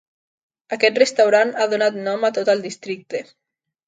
Aquest restaurant ha donat nom a tot el districte.